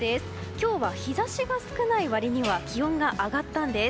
今日は日差しが少ない割には気温が上がったんです。